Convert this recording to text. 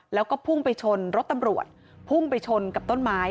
แล้วก็พุ่งไปชนรถตำรวจพุ่งไปชนกับต้นไม้